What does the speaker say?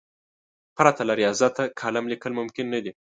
پرته له ریاضته کالم لیکل ممکن نه دي.